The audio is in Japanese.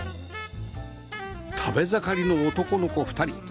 食べ盛りの男の子２人